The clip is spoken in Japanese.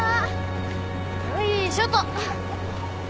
よいしょっと。